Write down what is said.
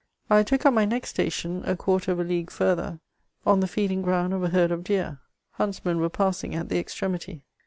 I took up my next station, a quarter of a league further, on the feeding ground of a herd of deer ; huntsmen were passing at the extremity.